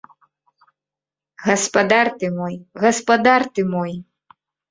Гаспадар ты мой, гаспадар ты мой!